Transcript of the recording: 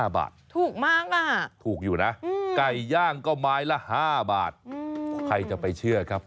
ถูกมากถูกอยู่นะไก่ย่างก็ไม้ละ๕บาทใครจะไปเชื่อครับ